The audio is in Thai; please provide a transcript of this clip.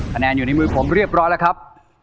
คะแนนอยู่ในมือผมเรียบร้อยแล้วครับ